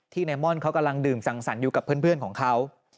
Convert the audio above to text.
ที่ในม่อนเขากำลังดื่มสั่งสั่นอยู่กับเพื่อนของเขา